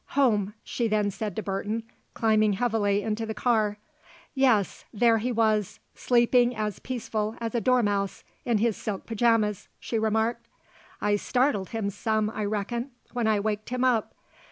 "Home," she then said to Burton, climbing heavily into the car. "Yes, there he was, sleeping as peaceful as a dormouse in his silk pyjamas," she remarked. "I startled him some, I reckon, when I waked him up.